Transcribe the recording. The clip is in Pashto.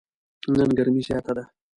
نن ګرمي زیاته ده.